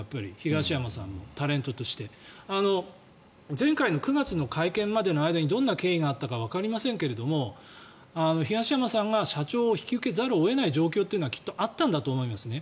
前回の９月の会見までの間にどんな経緯があったかわかりませんけども東山さんが社長を引き受けざるを得ない状況というのはきっとあったんだと思いますね。